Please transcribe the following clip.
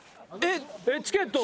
チケットは？